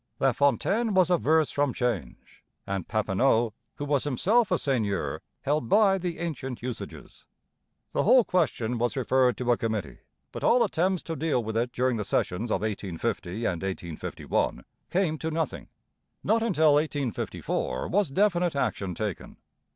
LaFontaine was averse from change, and Papineau, who was himself a seigneur, held by the ancient usages. The whole question was referred to a committee, but all attempts to deal with it during the sessions of 1850 and 1851 came to nothing. Not until 1854 was definite action taken.